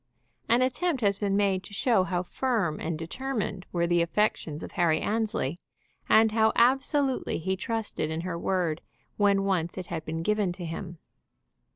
An attempt has been made to show how firm and determined were the affections of Harry Annesley, and how absolutely he trusted in her word when once it had been given to him.